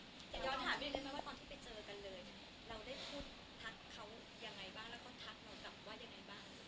เราได้พูดทักเขายังไงบ้างแล้วก็ทักเรากลับว่ายังไงบ้าง